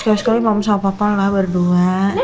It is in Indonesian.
sekali mama sama papa lah berdua